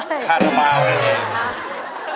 ข้าท่าบ้าครับ